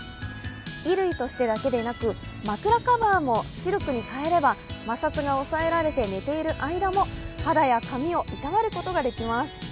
衣類としてだけでなく、枕カバーもシルクに変えれば摩擦が抑えられて、寝ている間も肌や髪をいたわることができます。